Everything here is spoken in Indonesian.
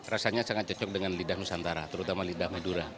rasanya sangat cocok dengan lidah nusantara terutama lidah madura